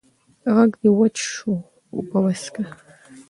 غږ دې وچ شو اوبه وڅښه!